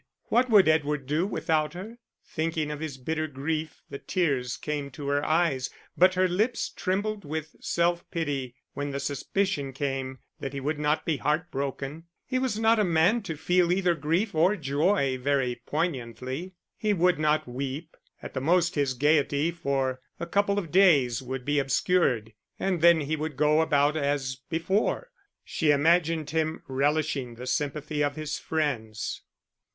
What would Edward do without her? Thinking of his bitter grief the tears came to her eyes, but her lips trembled with self pity when the suspicion came that he would not be heartbroken: he was not a man to feel either grief or joy very poignantly. He would not weep; at the most his gaiety for a couple of days would be obscured, and then he would go about as before. She imagined him relishing the sympathy of his friends.